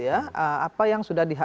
apa yang sudah